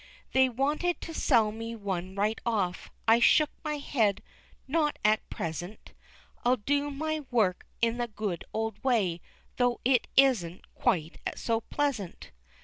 They wanted to sell me one right off, I shook my head, "not at present," I'll do my work in the good old way, Though it isn't quite so pleasant.